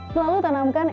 selalu tanamkan air